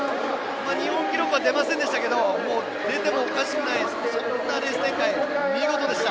日本記録は出ませんでしたが出てもおかしくないそんなレース展開、見事でした。